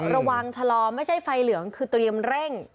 ระวังชะลอไม่ใช่ไฟเหลืองคือเตรียมเร่ง